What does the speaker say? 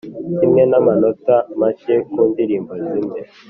kimwe n’amanota make ku ndirimbo zimwe.